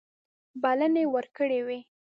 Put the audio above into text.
بلنې ورکړي وې.